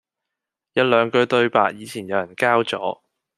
有兩句對白以前有人交咗